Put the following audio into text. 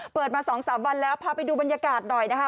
เปิดมา๒๓วันแล้วพาไปดูบรรยากาศหน่อยนะคะ